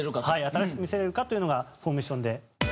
新しく見せられるかというのがフォーメーションで。